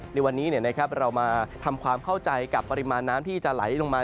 ในวันนี้เรามาทำความเข้าใจกับปริมาณน้ำที่จะไหลลงมา